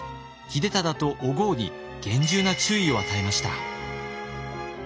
秀忠とお江に厳重な注意を与えました。